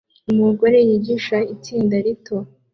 Umugabo yigisha itsinda rito